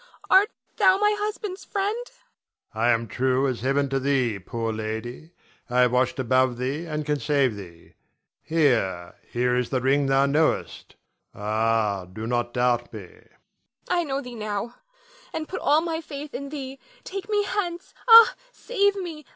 Art thou my husband's friend? Adrian. I am true as Heaven to thee, poor lady. I have watched above thee and can save. Here, here is the ring thou knowest; ah, do not doubt me. Nina. I know thee now and put all my faith in thee. Take me hence. Ah, save me!